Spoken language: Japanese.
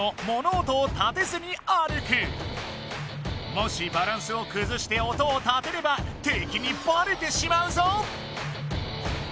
もしバランスをくずして音を立てれば敵にバレてしまうぞ！